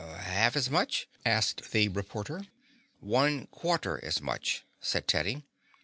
"Half as much?" asked the reporter. "One quarter as much," said Teddy.